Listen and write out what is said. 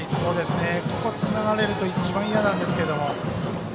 ここがつながれると一番いやなんですけど。